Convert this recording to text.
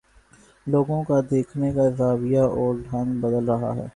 لوگوں کا دیکھنے کا زاویہ اور ڈھنگ بدل رہا ہے۔